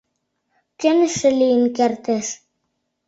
Кӧн эше лийын кертеш?